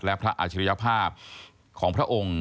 และพระอาชิริยภาพของพระองค์